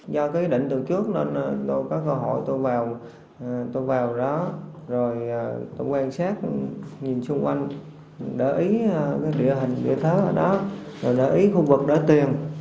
do cái định từ trước tôi có cơ hội tôi vào đó rồi tôi quan sát nhìn chung quanh để ý địa hình địa thớ ở đó rồi để ý khu vực để tiền